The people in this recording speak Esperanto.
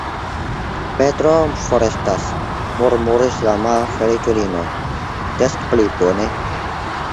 Petro forestas, murmuris la malfeliĉulino; des pli bone.